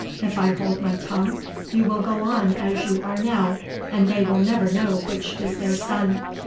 If I hold my tongue you will go on as you are now, and they will never know which is their son.